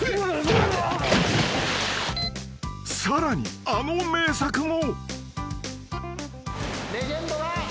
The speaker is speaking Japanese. ［さらにあの名作も］